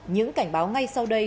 những cảnh báo ngay sau đây